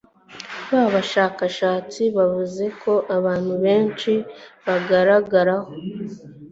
Aba bashakashatsi bavuze ko abantu benshi bagaragaraho